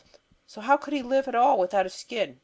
So how could he live at all without a skin?